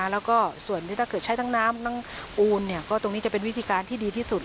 แล้วก็ส่วนที่ถ้าเกิดใช้ทั้งน้ำทั้งปูนก็ตรงนี้จะเป็นวิธีการที่ดีที่สุด